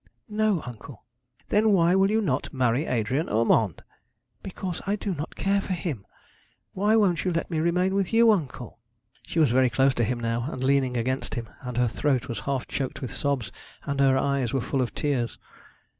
'No, uncle.' 'Then why will you not marry Adrian Urmand?' 'Because I do not care for him. Why won't you let me remain with you, uncle?' She was very close to him now, and leaning against him; and her throat was half choked with sobs, and her eyes were full of tears.